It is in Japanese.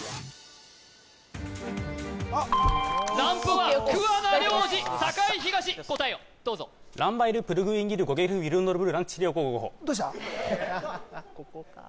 ランプは桑名良治栄東答えをどうぞランヴァイル・プルグウィンギル・ゴゲリフウィルンドロブル・ランティシリオゴゴゴホどうした？